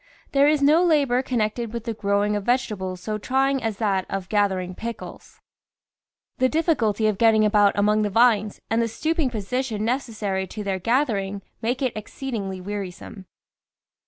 There is no labour connected with the growing of vegetables so trying as that of gathering pickles ; the difficulty of getting about among the vines and the stooping position nec essary to their gathering make it exceedingly [ 179 ] THE VEGETABLE GARDEN wearisome.